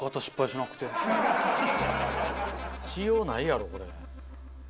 しようないやろこれ。